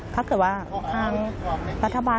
ถ้าเกี่ยวาทางประธบาล